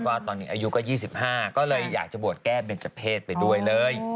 ตอนนี้อายุก็๒๕ก็เลยอยากจะบวชแก้เบนเจอร์เพศไปด้วยเลย